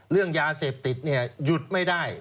เรื่องยาเสพติดหยุดไม่ได้